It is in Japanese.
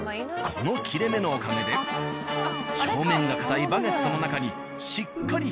この切れ目のおかげで表面が硬いバゲットの中にしっかり火が通り